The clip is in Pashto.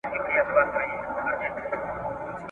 اخبار غلط دئ رسانې کاذبي